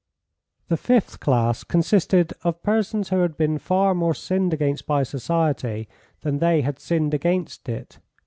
The fifth class consisted of persons who had been far more sinned against by society than they had sinned against it.